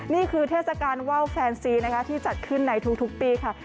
เทศกาลว่าวแฟนซีนะคะที่จัดขึ้นในทุกปีค่ะ